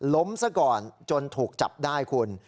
ล้มซะก่อนจนถูกจับได้คุณ